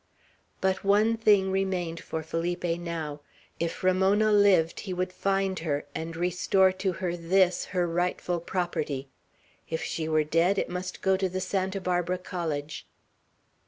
But one thing remained for Felipe now, If Ramona lived, he would find her, and restore to her this her rightful property. If she were dead, it must go to the Santa Barbara College.